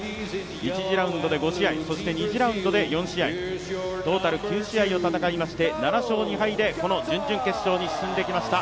１次ラウンドで５試合、２次ラウンドで４試合トータル９試合を戦いまして７勝２敗でこの準々決勝に進んできました